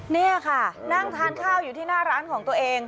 นี่ค่ะนั่งทานข้าวอยู่ที่หน้าร้านของตัวเอง